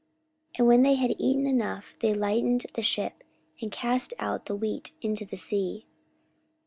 44:027:038 And when they had eaten enough, they lightened the ship, and cast out the wheat into the sea.